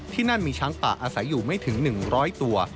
นั่นมีช้างป่าอาศัยอยู่ไม่ถึง๑๐๐ตัว